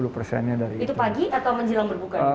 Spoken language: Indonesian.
itu pagi atau menjelang berbuka